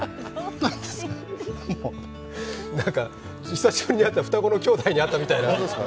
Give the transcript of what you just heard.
久しぶりに双子の兄弟に会ったみたいな。